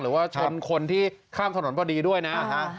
หรือว่าชนคนที่ข้ามถนนพอดีด้วยนะ